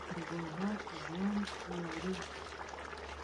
حیوانات ژوند لري.